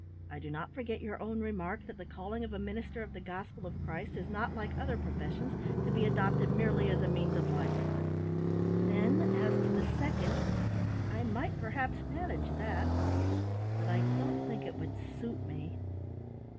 I do not forget your own remark, that the calling of a minister of the gospel of Christ is not, like other professions, to be adopted merely as a means of livelihood. Then, as to the second, I might perhaps manage that; but I don't think it would suit me."